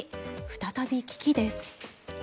再び危機です。